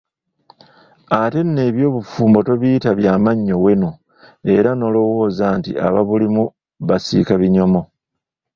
Ate nno eby'obufumbo tobiyita bya mannyo wenu era n'olowooza nti ababulimu basiika binyomo!